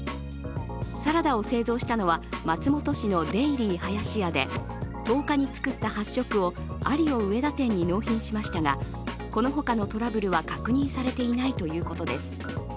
サラダを製造したのは松本市のデイリーはやしやで１０日に作った８食をアリオ上田店に納品しましたがこの他のトラブルは確認されていないということです。